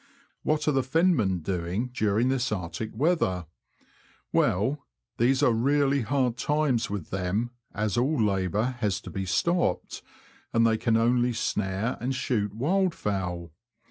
What are the fenmen doing during this Arctic weather? Well, these are really hard times with them, as all labour has to be stopped, and they can only snare and shoot wildfowl.